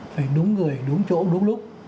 phải đúng người đúng chỗ đúng lúc